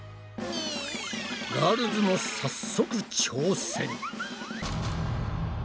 ガールズも早速挑戦！